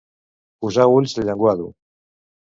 Posar ulls de llenguado.